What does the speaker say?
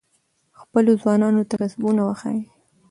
خپلو ځوانانو ته کسبونه وښایئ.